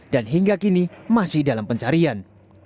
dan hingga kini masih dalam pencarian